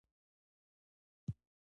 ددوی کوچیان لکه زموږ غوندې کېږدۍ نه وهي.